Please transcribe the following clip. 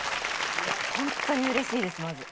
本当にうれしいですまず。